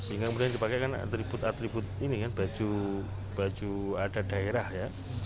sehingga kemudian dipakai kan atribut atribut ini kan baju adat daerah ya